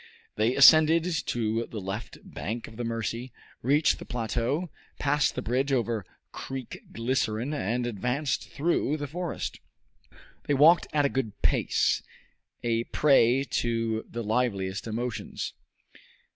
They ascended the left bank of the Mercy, reached the plateau, passed the bridge over Creek Glycerine, and advanced through the forest. They walked at a good pace, a prey to the liveliest emotions.